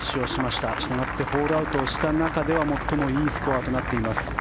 したがってホールアウトした中では最もいいスコアとなっています。